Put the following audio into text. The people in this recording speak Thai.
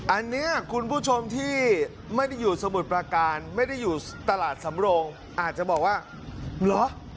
อันนี้คุณผู้ชมที่ไม่ได้อยู่สมุทรประการไม่ได้อยู่ตลาดสำโรงอาจจะบอกว่าเหรอ